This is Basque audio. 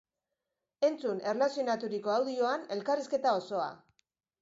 Entzun erlazionaturiko audioan elkarrizketa osoa!